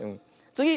つぎ！